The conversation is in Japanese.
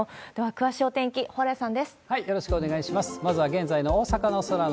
詳しいお天気、蓬莱さ